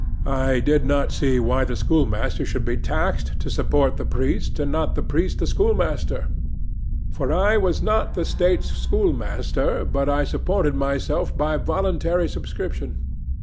I did not see why the schoolmaster should be taxed to support the priest, and not the priest the schoolmaster; for I was not the State's schoolmaster, but I supported myself by voluntary subscription.